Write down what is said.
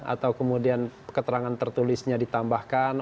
atau kemudian keterangan tertulisnya ditambahkan